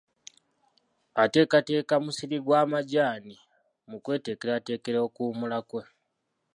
Ateekateeka musiri gwa majaani mu kweteekerateekera okuwummula kwe.